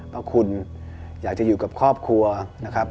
เพราะคุณอยากจะอยู่กับครอบครัวนะครับ